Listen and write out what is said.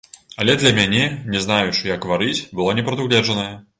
Але для мяне, не знаючы, як варыць, было непрадугледжанае.